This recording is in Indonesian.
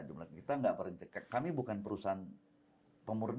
jumlah kita enggak perlu kami bukan perusahaan pemurnian